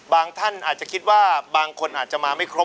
ท่านอาจจะคิดว่าบางคนอาจจะมาไม่ครบ